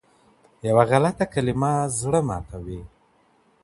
يوه غلطه کلمه زړه ماتوي.